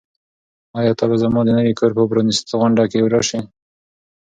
آیا ته به زما د نوي کور په پرانیستغونډه کې راشې؟